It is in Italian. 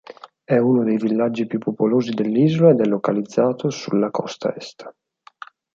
È uno dei villaggi più popolosi dell'isola ed è localizzato sulla costa est.